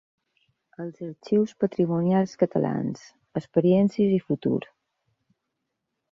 "Els arxius patrimonials catalans: experiències i futur".